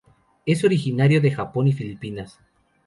Es originario de Japón y Filipinas.